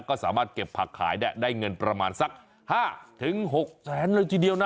ก็สามารถเก็บผักขายได้เงินประมาณสัก๕๖แสนเลยทีเดียวนะ